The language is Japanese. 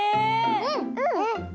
うん！